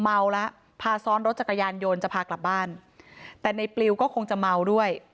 เมาแล้วพาซ้อนรถจักรยานยนต์จะพากลับบ้านแต่ในปลิวก็คงจะเมาด้วย